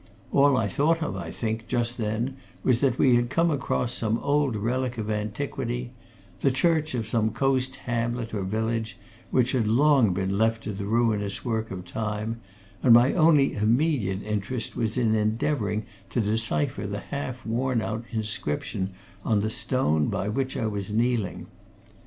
All I thought of, I think, just then was that we had come across some old relic of antiquity the church of some coast hamlet or village which had long been left to the ruinous work of time, and my only immediate interest was in endeavouring to decipher the half worn out inscription on the stone by which I was kneeling.